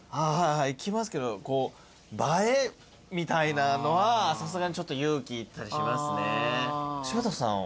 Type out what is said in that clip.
行きますけど映えみたいなのはさすがにちょっと勇気いったりしますね。